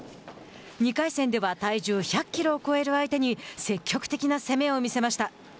２回戦では体重１００キロを超える相手に積極的な攻めを見せました。